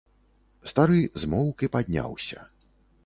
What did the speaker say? Стары змоўк і падняўся.